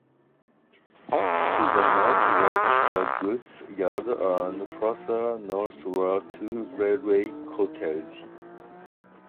To the north was the goods yard and further north were two railway cottages.